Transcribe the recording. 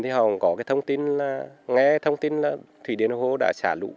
thì họ có cái thông tin là nghe thông tin là thủy điền hồ hồ đã xả lũ